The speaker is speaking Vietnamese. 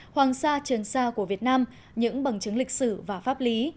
hoàng sa trường sa của việt nam những bằng chứng lịch sử và pháp lý